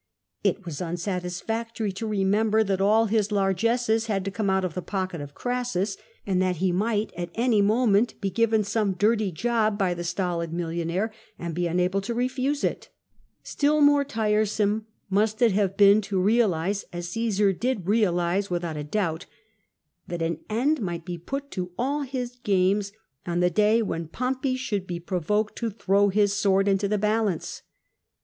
It was unsatisfactory to remember that all his largesses had to come out of the pocket of Crassus, and that he might at any moment be given some dirty job by the stolid millionaire and be unable to refuse it. Still more tiresome must it have been to realise, as Oassar did realise without a doubt, that an end might be put to all his games on the day when Pompoy should be provoked to throw his sword into the balance.